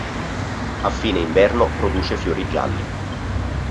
A fine inverno produce fiori gialli.